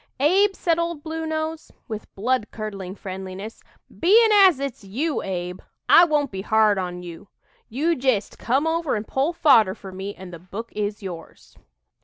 "Abe," said "Old Blue Nose," with bloodcurdling friendliness, "bein' as it's you, Abe, I won't be hard on you. You jest come over and pull fodder for me, and the book is yours."